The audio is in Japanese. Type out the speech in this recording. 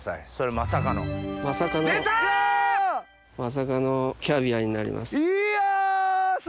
まさかのキャビアになります。